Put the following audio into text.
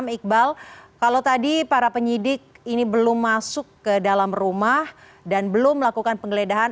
iqbal kalau tadi para penyidik ini belum masuk ke dalam rumah dan belum melakukan penggeledahan